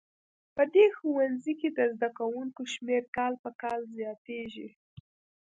په دې ښوونځي کې د زده کوونکو شمېر کال په کال زیاتیږي